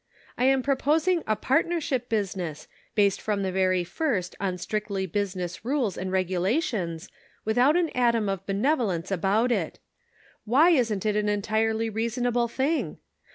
I am proposing a partnership business, based from the very first on strictly business rules and regulations, without an atom of benevo Measuring Character. 255 lence about it. Why isn't it an entirely rea sonable thing?